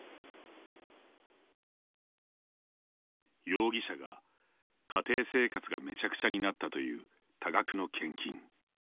容疑者が「家庭生活がめちゃくちゃになった」という多額の献金。